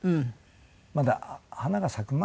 まだ花が咲く前かな？